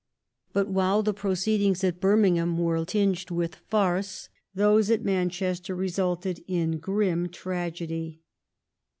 But while the proceedings at Birmingham were tinged with farce those at Manchester resulted in grim tragedy.